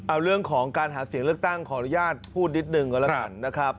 เอาเรื่องของการหาเสียงเลือกตั้งขออนุญาตพูดนิดหนึ่งก็แล้วกันนะครับ